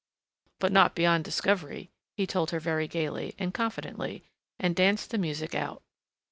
"But not beyond discovery," he told her very gayly and confidently, and danced the music out.